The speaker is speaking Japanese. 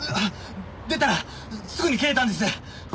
出たらすぐに切れたんです。